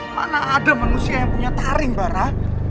mana ada manusia yang punya taring barah